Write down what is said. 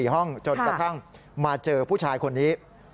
ห้องจนกระทั่งมาเจอผู้ชายคนนี้